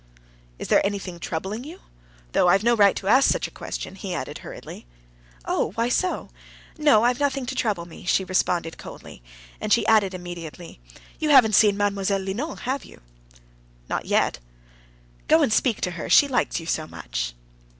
"Is there anything troubling you?—though I've no right to ask such a question," he added hurriedly. "Oh, why so?... No, I have nothing to trouble me," she responded coldly; and she added immediately: "You haven't seen Mlle. Linon, have you?" "Not yet." "Go and speak to her, she likes you so much."